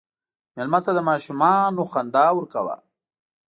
مېلمه ته د ماشومان خندا ورکوه.